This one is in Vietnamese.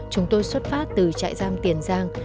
chúng tôi xuất phát từ trại giam tiền giang